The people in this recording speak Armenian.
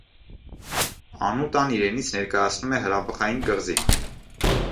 Անուտան իրենից ներկայացնում է հրաբխայինն կղզի։